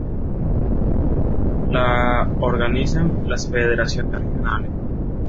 La organizan las federaciones regionales.